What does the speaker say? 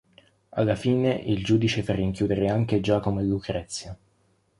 Alla fine il giudice fa rinchiudere anche Giacomo e Lucrezia.